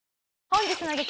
本日の激